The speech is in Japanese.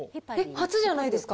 初じゃないですか？